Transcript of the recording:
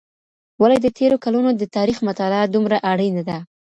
ولې د تېرو کلونو د تاریخ مطالعه دومره اړینه ده؟